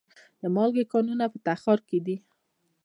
د مالګې کانونه په تخار کې دي